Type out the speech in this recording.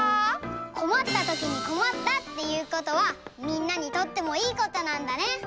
こまったときにこまったっていうことはみんなにとってもいいことなんだね。